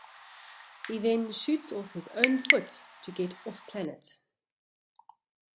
He then shoots off his own foot to get off-planet.